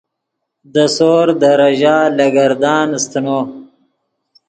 دے سور دے ریژہ لگردان سیتنو